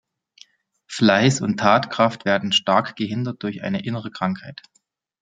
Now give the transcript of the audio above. Fleiss und Tatkraft werden stark gehindert durch eine innere Krankheit.